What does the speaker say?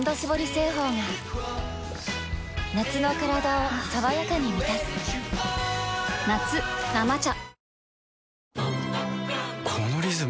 製法が夏のカラダを爽やかに満たす夏「生茶」